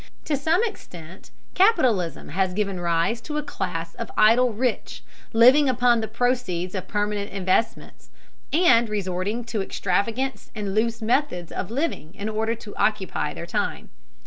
To some extent capitalism has given rise to a class of idle rich, living upon the proceeds of permanent investments, and resorting to extravagance and loose methods of living in order to occupy their time.